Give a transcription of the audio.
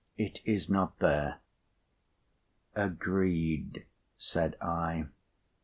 "It is not there." "Agreed," said I.